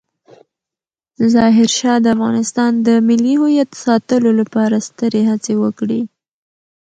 ظاهرشاه د افغانستان د ملي هویت ساتلو لپاره سترې هڅې وکړې.